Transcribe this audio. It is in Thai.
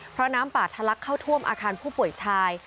เพราะน้ำป่าทะลักเข้าท่วมอาคารผู้ป่วยชาย